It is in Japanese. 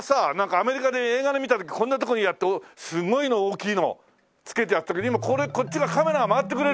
アメリカで映画で見た時こんなとこにやってすごいの大きいの着けてやってたけど今こっちがカメラが回ってくれる。